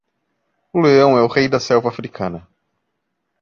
O leão é o rei da selva africana